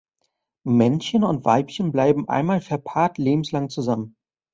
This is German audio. Männchen und Weibchen bleiben einmal verpaart lebenslang zusammen.